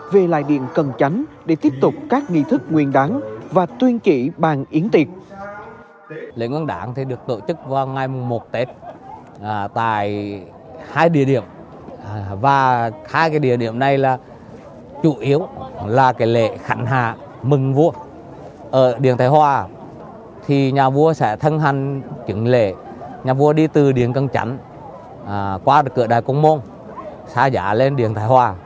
về lại điện cần chánh để tiếp tục các nghi thức nguyên đán và tuyên trị bàn yến tiệt